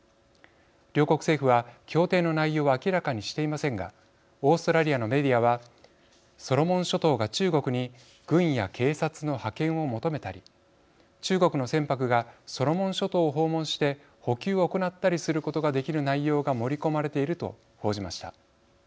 両国政府は協定の内容は明らかにしていませんがオーストラリアのメディアはソロモン諸島が中国に軍や警察の派遣を求めたり中国の船舶がソロモン諸島を訪問して補給を行ったりすることができる内容が盛り込まれていると報じました。